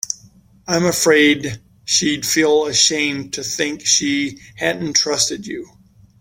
I'm afraid she'd feel ashamed to think she hadn't trusted you.